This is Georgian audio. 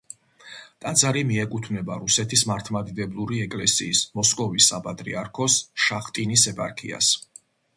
ტაძარი მიეკუთვნება რუსეთის მართლმადიდებელი ეკლესიის მოსკოვის საპატრიარქოს შახტინის ეპარქიას.